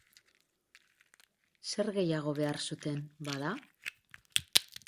Zer gehiago behar zuten, bada?